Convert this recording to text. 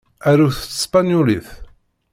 Arut s tespenyulit.